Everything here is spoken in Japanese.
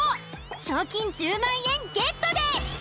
賞金１０万円ゲットです。